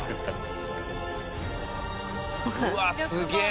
うわっすげえ！